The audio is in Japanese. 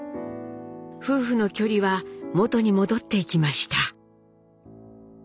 夫婦の距離は元に戻っていきました。